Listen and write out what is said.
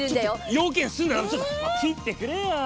用件済んだらちょっと切ってくれよ。